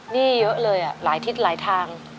นี่เยอะเลยหลายทิศหลายทาง